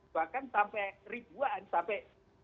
bahkan sampai ribuan sampai